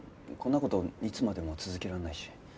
こんな事いつまでも続けられないし。